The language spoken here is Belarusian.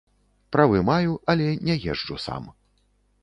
Правы маю, але не езджу сам.